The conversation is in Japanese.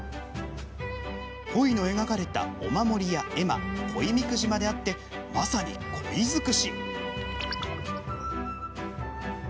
コイが描かれたお守りや絵馬コイみくじまであってまさにコイ尽くし。